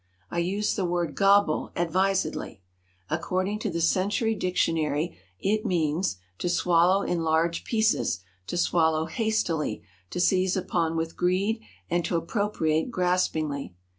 I use the word " gobble " advisedly. According to the Century Dic tionary, it means " to swallow in large pieces, to swallow hastily, to seize upon with greed, and to appropriate graspingly."